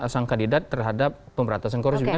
sang kandidat terhadap pemerataan